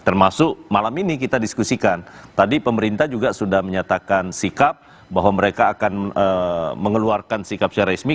termasuk malam ini kita diskusikan tadi pemerintah juga sudah menyatakan sikap bahwa mereka akan mengeluarkan sikap secara resmi